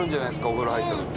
お風呂入った時。